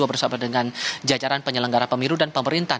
bersama dengan jajaran penyelenggara pemilu dan pemerintah